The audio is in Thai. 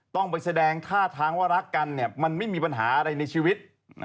ต้องไปแสดงท่าทางว่ารักกันมันไม่มีปัญหาอะไรในชีวิต